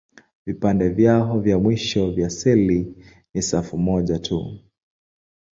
Vipande vyao vya mwisho vya seli ni safu moja tu.